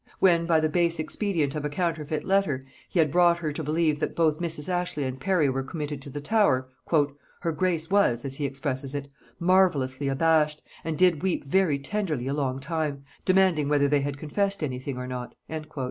When, by the base expedient of a counterfeit letter, he had brought her to believe that both Mrs. Ashley and Parry were committed to the Tower, "her grace was," as he expresses it, "marvellously abashed, and did weep very tenderly a long time, demanding whether they had confessed any thing or not."